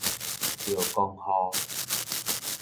著狂雨